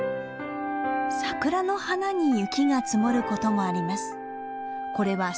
サクラの花に雪が積もることもあります。